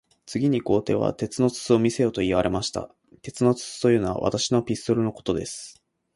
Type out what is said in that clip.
次に皇帝は、鉄の筒を見せよと言われました。鉄の筒というのは、私のピストルのことです。